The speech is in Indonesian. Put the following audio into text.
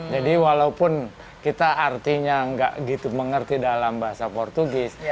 walaupun kita artinya nggak gitu mengerti dalam bahasa portugis